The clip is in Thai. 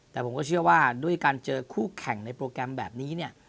แต่ผมก็เชื่อว่าด้วยการเจอคู่แข่งในโปรแกรมแบบนี้เนี่ย